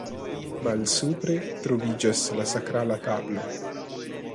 Malsupre troviĝas la sakrala tablo.